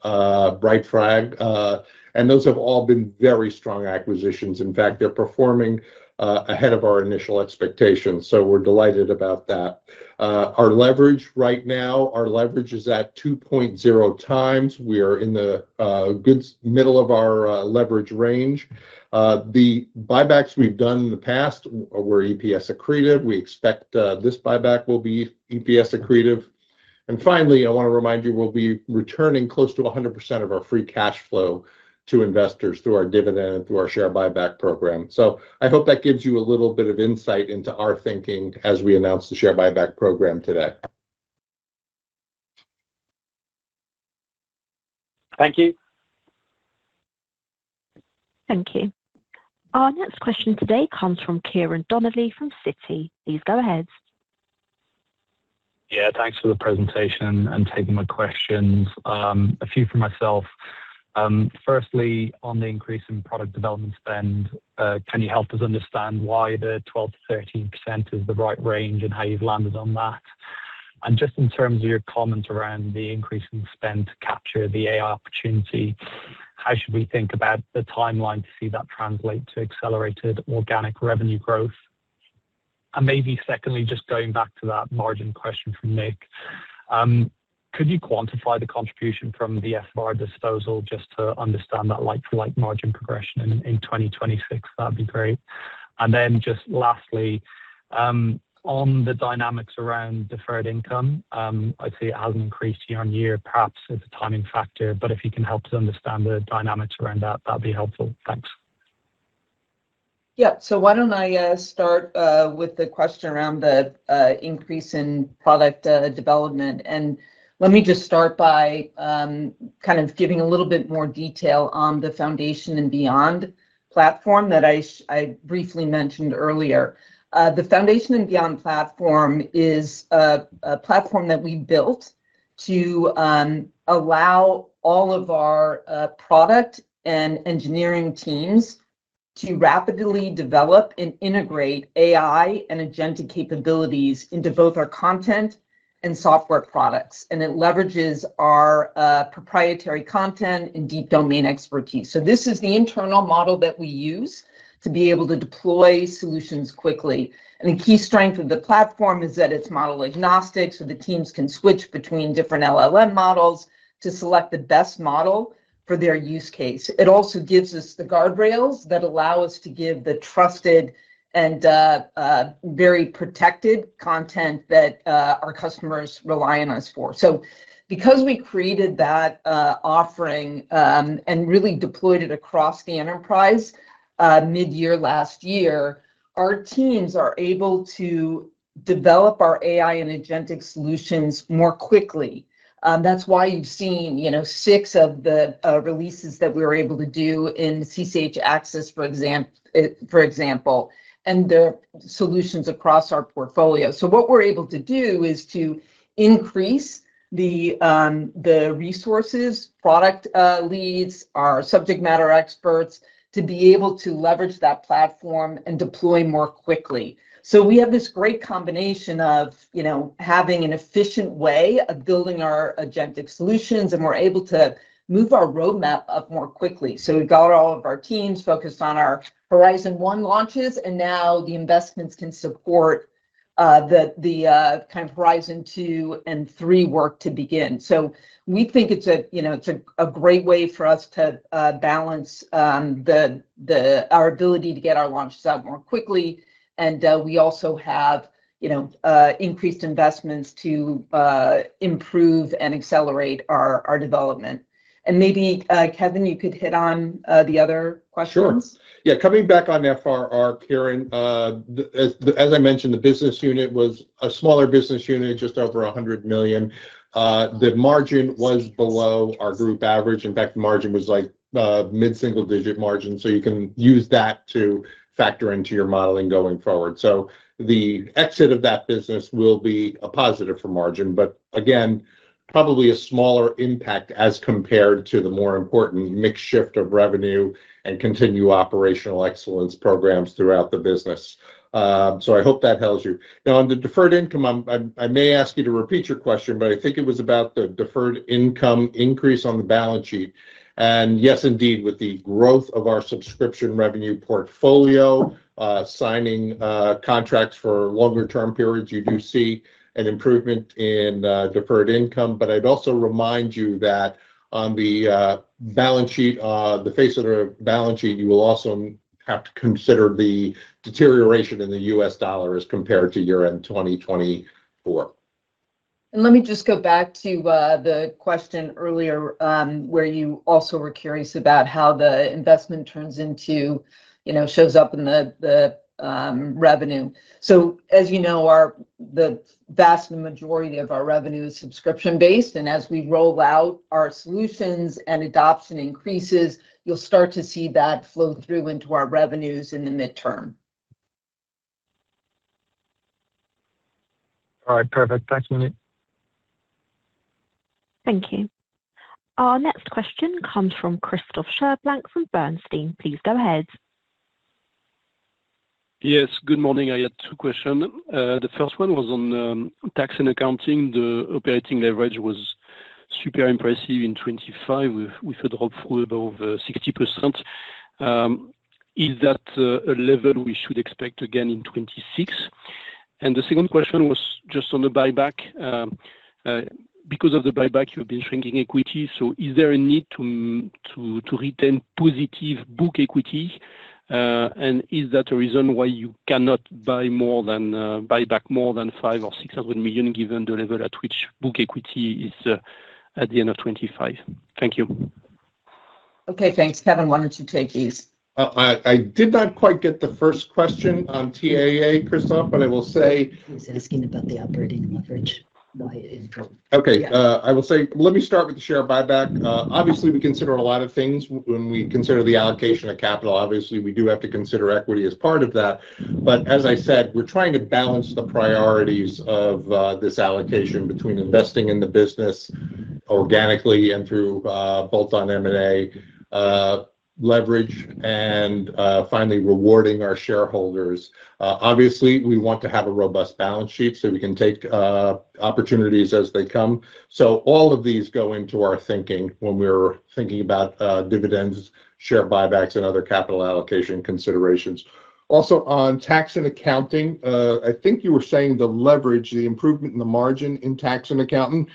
Brightflag, and those have all been very strong acquisitions. In fact, they're performing ahead of our initial expectations, so we're delighted about that. Our leverage right now, our leverage is at 2.0 times. We are in the good middle of our leverage range. The buybacks we've done in the past were EPS accretive. We expect this buyback will be EPS accretive. Finally, I want to remind you, we'll be returning close to 100% of our free cash flow to investors through our dividend and through our share buyback program. I hope that gives you a little bit of insight into our thinking as we announce the share buyback program today. Thank you. Thank you. Our next question today comes from Ciarán Donnelly, from Citi. Please go ahead. Yeah, thanks for the presentation and taking my questions. A few for myself. Firstly, on the increase in product development spend, can you help us understand why the 12%-13% is the right range and how you've landed on that? Just in terms of your comment around the increase in spend to capture the AI opportunity, how should we think about the timeline to see that translate to accelerated organic revenue growth? Maybe secondly, just going back to that margin question from Nick, could you quantify the contribution from the FRR disposal, just to understand that like-for-like margin progression in 2026? That'd be great. Just lastly, on the dynamics around deferred income, I'd say it has increased year-on-year, perhaps as a timing factor, but if you can help to understand the dynamics around that'd be helpful. Thanks. Why don't I start with the question around the increase in product development? Let me just start by kind of giving a little bit more detail on the Foundation and Beyond platform that I briefly mentioned earlier. The foundation and beyond platform is a platform that we built to allow all of our product and engineering teams to rapidly develop and integrate AI and agentic capabilities into both our content and software products, and it leverages our proprietary content and deep domain expertise. This is the internal model that we use to be able to deploy solutions quickly. The key strength of the platform is that it's model agnostic, so the teams can switch between different LLM models to select the best model for their use case. It also gives us the guardrails that allow us to give the trusted and very protected content that our customers rely on us for. Because we created that offering and really deployed it across the enterprise mid-year last year, our teams are able to develop our AI and agentic solutions more quickly. That's why you've seen, you know, six of the releases that we were able to do in CCH Axcess, for example, and the solutions across our portfolio. What we're able to do is to increase the resources, product leads, our subject matter experts, to be able to leverage that platform and deploy more quickly. We have this great combination of, you know, having an efficient way of building our agentic solutions, and we're able to move our roadmap up more quickly. We've got all of our teams focused on our horizon 1 launches, and now the investments can support the kind of horizon 2 and 3 work to begin. We think it's a, you know, it's a great way for us to balance our ability to get our launches out more quickly. We also have, you know, increased investments to improve and accelerate our development. Maybe, Kevin, you could hit on the other questions? Sure. Yeah, coming back on FRR, Ciarán, as I mentioned, the business unit was a smaller business unit, just over 100 million. The margin was below our group average. In fact, the margin was like mid-single-digit margin, you can use that to factor into your modeling going forward. The exit of that business will be a positive for margin, but again, probably a smaller impact as compared to the more important mix shift of revenue and continued operational excellence programs throughout the business. I hope that helps you. Now, on the deferred income, I may ask you to repeat your question, I think it was about the deferred income increase on the balance sheet. Yes, indeed, with the growth of our subscription revenue portfolio, signing contracts for longer-term periods, you do see an improvement in deferred income. I'd also remind you that on the balance sheet, the face of the balance sheet, you will also have to consider the deterioration in the US dollar as compared to year-end 2024. Let me just go back to the question earlier, where you also were curious about how the investment turns into, you know, shows up in the revenue. As you know, the vast majority of our revenue is subscription-based, and as we roll out our solutions and adoption increases, you'll start to see that flow through into our revenues in the midterm. All right, perfect. Thank you. Thank you. Our next question comes from Christophe Cherblanc from Bernstein. Please go ahead. Yes, good morning. I had two questions. The first one was on Tax & Accounting. The operating leverage was super impressive in 2025, with a drop of over 60%. Is that a level we should expect again in 2026? The second question was just on the buyback. Because of the buyback, you have been shrinking equity. Is there a need to retain positive book equity? Is that a reason why you cannot buy back more than 500 million or 600 million, given the level at which book equity is at the end of 2025? Thank you. Okay, thanks. Kevin, why don't you take these? I did not quite get the first question on TAA, Christophe, but I will say. He's asking about the operating leverage, why it dropped. Okay. Yeah. I will say... Let me start with the share buyback. Obviously, we consider a lot of things when we consider the allocation of capital. Obviously, we do have to consider equity as part of that. As I said, we're trying to balance the priorities of this allocation between investing in the business organically and through both on M&A, leverage, and finally rewarding our shareholders. Obviously, we want to have a robust balance sheet so we can take opportunities as they come. All of these go into our thinking when we're thinking about dividends, share buybacks, and other capital allocation considerations. Also, on Tax & Accounting, I think you were saying the leverage, the improvement in the margin in Tax & Accounting.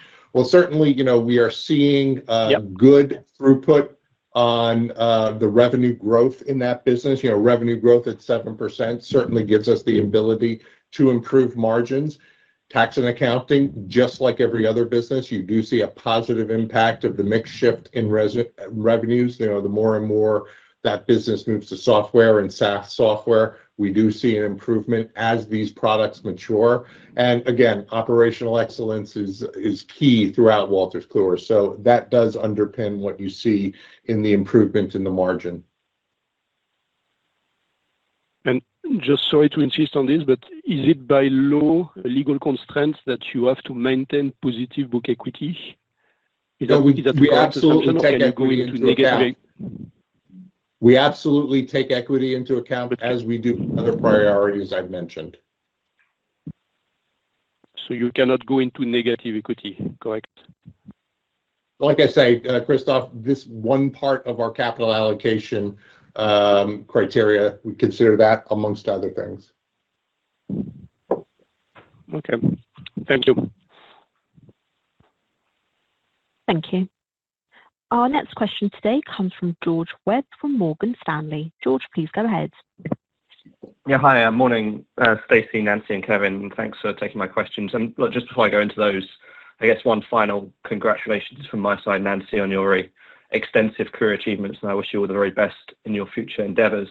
Certainly, you know, we are seeing- Yep... good throughput on the revenue growth in that business. You know, revenue growth at 7% certainly gives us the ability to improve margins. Tax & Accounting, just like every other business, you do see a positive impact of the mix shift in revenues. You know, the more and more that business moves to software and SaaS software, we do see an improvement as these products mature. Operational excellence is key throughout Wolters Kluwer. That does underpin what you see in the improvement in the margin. Just sorry to insist on this, but is it by law, legal constraints, that you have to maintain positive book equity? No, we absolutely take equity into account. Can you go into negative? We absolutely take equity into account, but as we do other priorities I've mentioned. You cannot go into negative equity, correct? Like I say, Christophe, this is one part of our capital allocation criteria. We consider that amongst other things. Okay. Thank you. Thank you. Our next question today comes from George Webb from Morgan Stanley. George, please go ahead. Hi, morning, Stacey, Nancy, and Kevin. Thanks for taking my questions. Look, just before I go into those, I guess one final congratulations from my side, Nancy, on your extensive career achievements, and I wish you all the very best in your future endeavors.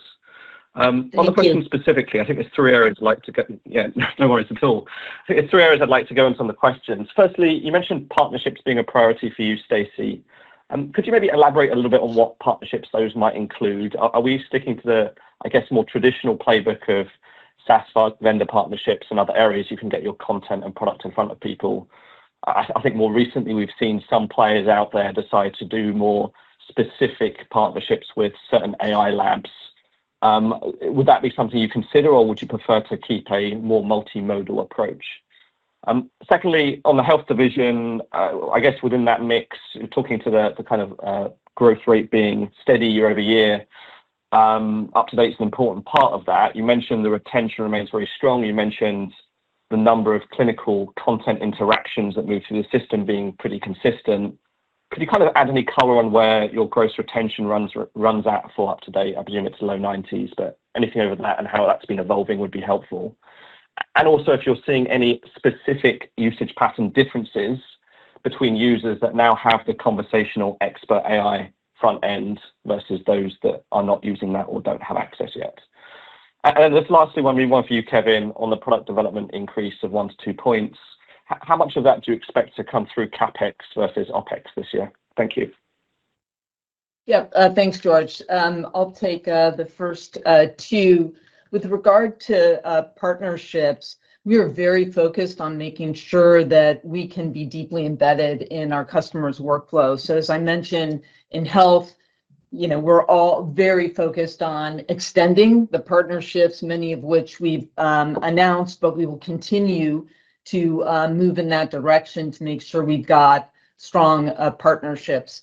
Thank you. On the question specifically, I think it's three areas I'd like to go on some of the questions. Firstly, you mentioned partnerships being a priority for you, Stacey. Could you maybe elaborate a little bit on what partnerships those might include? Are we sticking to the, I guess, more traditional playbook of SaaS vendor partnerships and other areas you can get your content and product in front of people? I think more recently we've seen some players out there decide to do more specific partnerships with certain AI labs. Would that be something you consider, or would you prefer to keep a more multimodal approach? Secondly, on the Health division, I guess within that mix, in talking to the kind of growth rate being steady year-over-year, UpToDate is an important part of that. You mentioned the retention remains very strong. You mentioned the number of clinical content interactions that move through the system being pretty consistent. Could you kind of add any color on where your gross retention runs at for UpToDate? I presume it's low 90s, but anything over that and how that's been evolving would be helpful. Also, if you're seeing any specific usage pattern differences between users that now have the conversational Expert AI front end versus those that are not using that or don't have access yet. Lastly, one, maybe one for you, Kevin, on the product development increase of 1-2 points. How much of that do you expect to come through CapEx versus OpEx this year? Thank you. Thanks, George. I'll take the first two. With regard to partnerships, we are very focused on making sure that we can be deeply embedded in our customer's workflow. As I mentioned in Health, you know, we're all very focused on extending the partnerships, many of which we've announced, but we will continue to move in that direction to make sure we've got strong partnerships.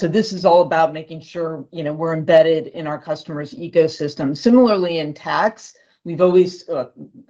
This is all about making sure, you know, we're embedded in our customer's ecosystem. Similarly, in Tax, we've always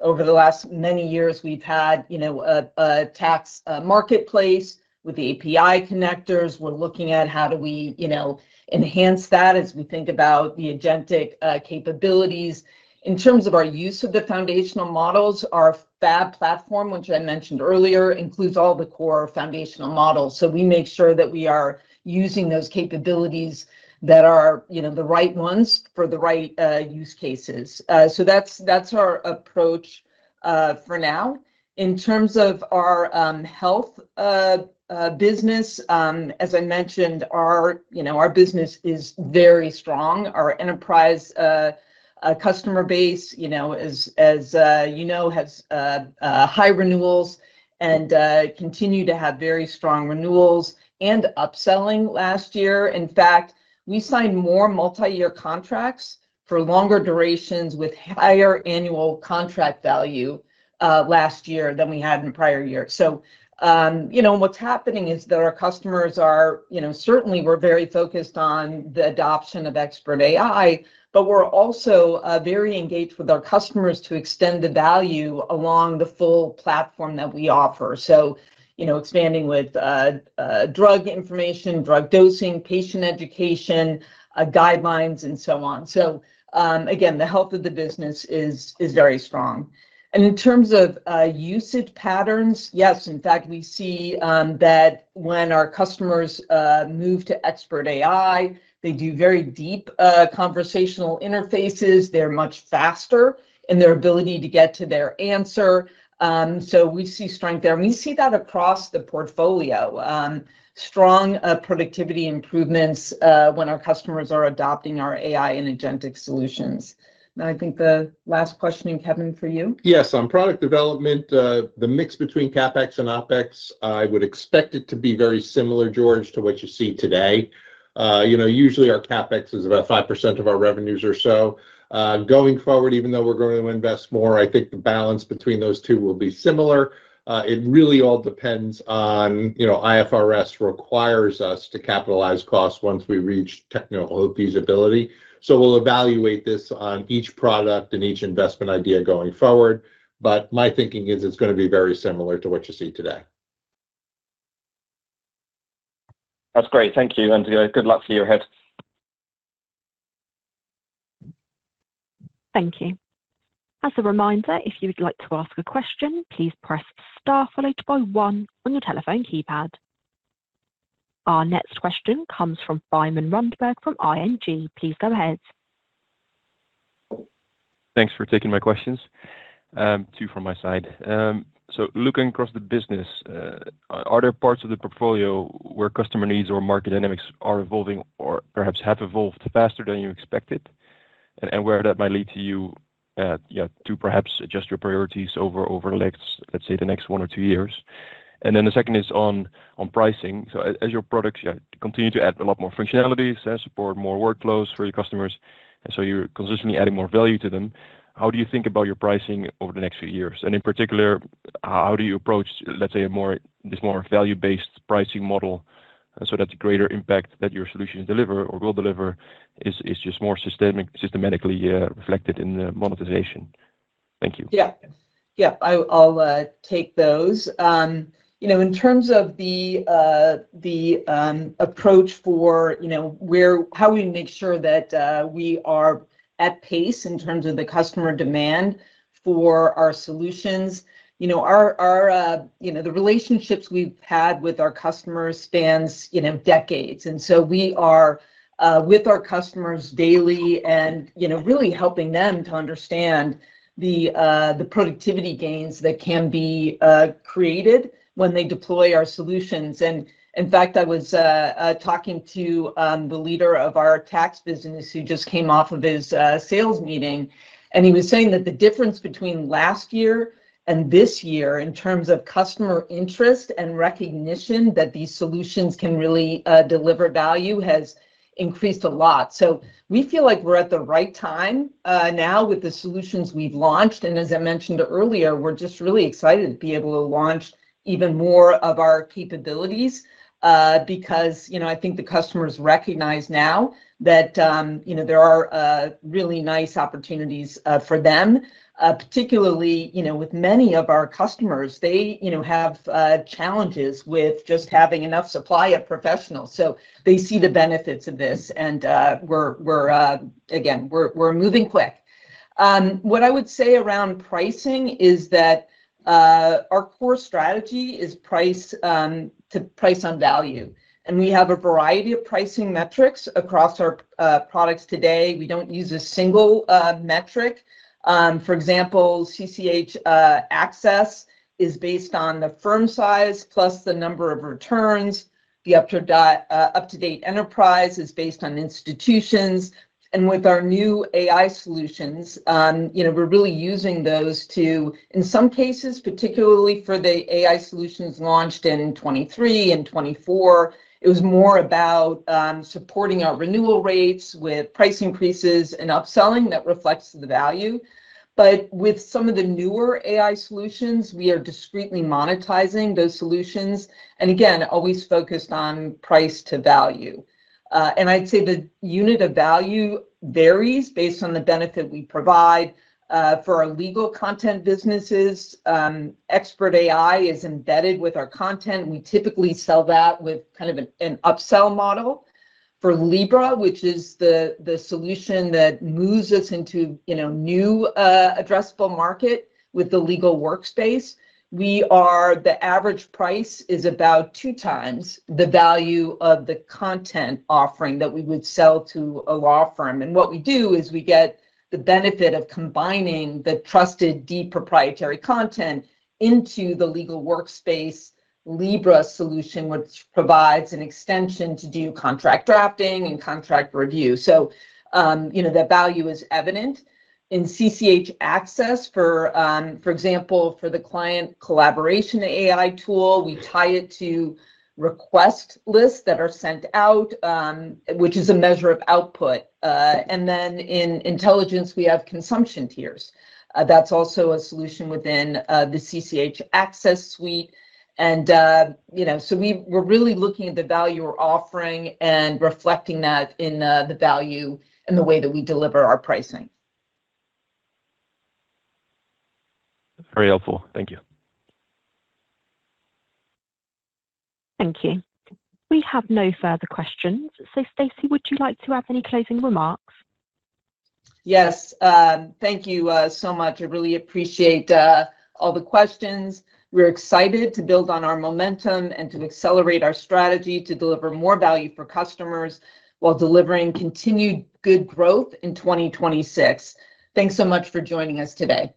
over the last many years, we've had, you know, a tax marketplace with the API connectors. We're looking at how do we, you know, enhance that as we think about the agentic capabilities. In terms of our use of the foundational models, our FAB Platform, which I mentioned earlier, includes all the core foundational models. We make sure that we are using those capabilities that are, you know, the right ones for the right use cases. That's our approach for now. In terms of our Health business, as I mentioned, our business is very strong. Our enterprise customer base, you know, as, you know, has high renewals and continue to have very strong renewals and upselling last year. In fact, we signed more multi-year contracts for longer durations with higher annual contract value last year than we had in prior years. you know, what's happening is that our customers are... You know, certainly we're very focused on the adoption of Expert AI, but we're also very engaged with our customers to extend the value along the full platform that we offer. You know, expanding with drug information, drug dosing, patient education, guidelines, and so on. Again, the health of the business is very strong. In terms of usage patterns, yes, in fact, we see that when our customers move to Expert AI, they do very deep conversational interfaces. They're much faster in their ability to get to their answer. We see strength there, and we see that across the portfolio, strong productivity improvements when our customers are adopting our AI and agentic solutions. I think the last question, Kevin, for you. Yes. On product development, the mix between CapEx and OpEx, I would expect it to be very similar, George, to what you see today. You know, usually our CapEx is about 5% of our revenues or so. Going forward, even though we're going to invest more, I think the balance between those two will be similar. It really all depends on. You know, IFRS requires us to capitalize costs once we reach technical feasibility. We'll evaluate this on each product and each investment idea going forward, but my thinking is it's gonna be very similar to what you see today. That's great. Thank you, and good luck for your ahead. Thank you. As a reminder, if you would like to ask a question, please press star followed by one on your telephone keypad. Our next question comes from Thymen Rundberg from ING. Please go ahead. Thanks for taking my questions. Two from my side. Looking across the business, are there parts of the portfolio where customer needs or market dynamics are evolving or perhaps have evolved faster than you expected, and where that might lead to you to perhaps adjust your priorities over the next, let's say, the next one or two years? The second is on pricing. As your products continue to add a lot more functionalities and support more workflows for your customers, and so you're consistently adding more value to them, how do you think about your pricing over the next few years? In particular, how do you approach, let's say, this more value-based pricing model so that the greater impact that your solutions deliver or will deliver is just more systematically reflected in the monetization? Thank you. Yeah. Yeah, I'll take those. You know, in terms of the approach for, you know, how we make sure that we are at pace in terms of the customer demand for our solutions, you know, our, you know, the relationships we've had with our customers spans, you know, decades. We are with our customers daily and, you know, really helping them to understand the productivity gains that can be created when they deploy our solutions. In fact, I was talking to the leader of our Tax business, who just came off of his sales meeting, and he was saying that the difference between last year and this year in terms of customer interest and recognition that these solutions can really deliver value has increased a lot. We feel like we're at the right time now with the solutions we've launched, and as I mentioned earlier, we're just really excited to be able to launch even more of our capabilities because, you know, I think the customers recognize now that, you know, there are really nice opportunities for them. Particularly, you know, with many of our customers, they, you know, have challenges with just having enough supply of professionals, so they see the benefits of this. We're again, we're moving quick. What I would say around pricing is that our core strategy is price to price on value, and we have a variety of pricing metrics across our products today. We don't use a single metric. For example, CCH Axcess is based on the firm size plus the number of returns. The UpToDate Enterprise is based on institutions. With our new AI solutions, you know, we're really using those to... In some cases, particularly for the AI solutions launched in 2023 and 2024, it was more about supporting our renewal rates with price increases and upselling that reflects the value. With some of the newer AI solutions, we are discreetly monetizing those solutions, and again, always focused on price to value. I'd say the unit of value varies based on the benefit we provide. For our Legal content businesses, Expert AI is embedded with our content. We typically sell that with kind of an upsell model. For Libra, which is the solution that moves us into, you know, new addressable market with the legal workspace, the average price is about 2x the value of the content offering that we would sell to a law firm. What we do is we get the benefit of combining the trusted, deep, proprietary content into the legal workspace Libra solution, which provides an extension to do contract drafting and contract review. You know, the value is evident. In CCH Axcess, for example, for the client collaboration AI tool, we tie it to request lists that are sent out, which is a measure of output. In intelligence, we have consumption tiers. That's also a solution within the CCH Axcess suite. You know, so we're really looking at the value we're offering and reflecting that in the value and the way that we deliver our pricing. Very helpful. Thank you. Thank you. We have no further questions. Stacey, would you like to add any closing remarks? Yes. Thank you so much. I really appreciate all the questions. We're excited to build on our momentum and to accelerate our strategy to deliver more value for customers while delivering continued good growth in 2026. Thanks so much for joining us today.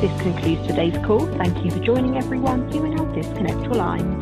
This concludes today's call. Thank you for joining everyone. You may now disconnect your line.